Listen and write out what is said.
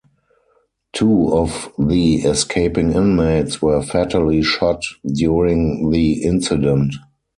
Two of the escaping inmates were fatally shot during the incident.